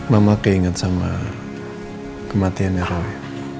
mama kayak inget sama kematiannya roy